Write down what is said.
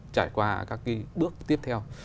trải qua các bước tiếp theo